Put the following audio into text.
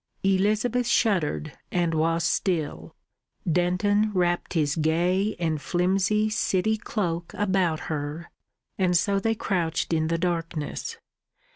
Elizabeth shuddered, and was still; Denton wrapped his gay and flimsy city cloak about her, and so they crouched in the darkness.